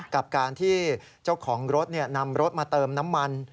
กับการที่เจ้าของรถนำรถมาเติมน้ำมัน